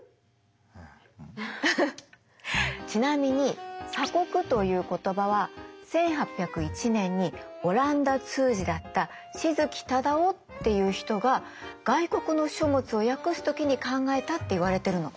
フフッちなみに「鎖国」という言葉は１８０１年にオランダ通事だった志筑忠雄っていう人が外国の書物を訳す時に考えたっていわれてるの。